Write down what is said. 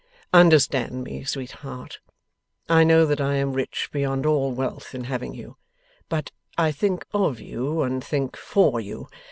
'Understand me, sweetheart. I know that I am rich beyond all wealth in having you; but I think OF you, and think FOR you.